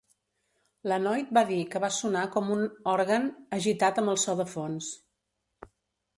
Lanoid va dir que va sonar com un òrgan "agitat amb el so de fons".